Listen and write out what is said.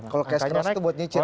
kalau cash crush itu buat nyicil ya